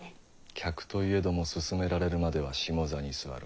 客といえども勧められるまでは「下座」に座る。